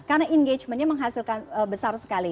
karena engagementnya menghasilkan besar sekali